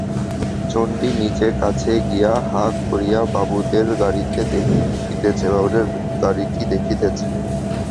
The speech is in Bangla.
চণ্ডী নিজে কাছে গিয়া হা করিয়া বাবুদের গাড়িটি দেখিতেছে।